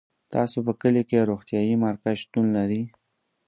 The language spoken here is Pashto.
تاسو په کلي کي روغتيايي مرکز شتون لری